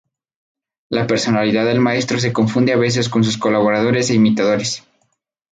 La personalidad del maestro se confunde a veces con sus colaboradores e imitadores.